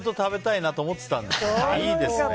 いいですね。